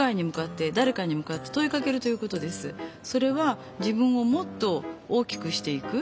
それは自分をもっと大きくしていく。